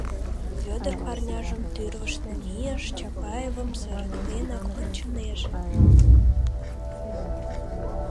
Вӧдыр парняжым тӱрвыш намийыш, Чапаевым сырыктенак ончынеже.